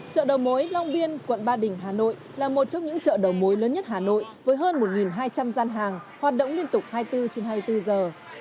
chợ đầu mối long biên quận ba đình hà nội là một trong những chợ đầu mối lớn nhất hà nội với hơn một hai trăm linh gian hàng hoạt động liên tục hai mươi bốn trên hai mươi bốn giờ